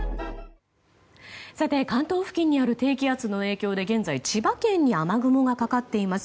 関東付近にある低気圧の影響で現在、千葉県に雨雲がかかっています。